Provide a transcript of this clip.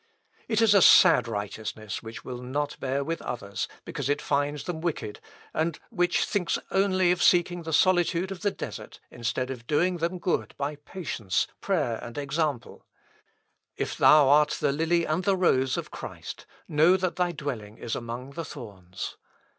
It is a sad righteousness which will not bear with others, because it finds them wicked, and which thinks only of seeking the solitude of the desert, instead of doing them good by patience, prayer, and example. If thou art the lily and the rose of Christ, know that thy dwelling is among the thorns.